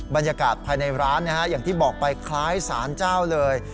บรรยากาศภายในร้านอย่างที่บอกไปคล้ายสารเจ้าเลย